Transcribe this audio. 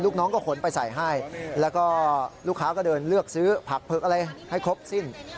น้องก็ขนไปใส่ให้แล้วก็ลูกค้าก็เดินเลือกซื้อผักเผือกอะไรให้ครบสิ้น